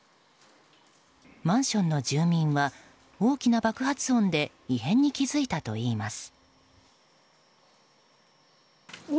マンションの住民は大きな爆発音で異変に気付いたといいます。